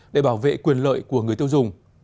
để bảo vệ quyền lợi của người tiêu dùng